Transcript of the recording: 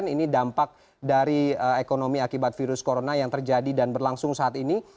ini dampak dari ekonomi akibat virus corona yang terjadi dan berlangsung saat ini